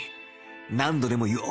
何度でも言おう。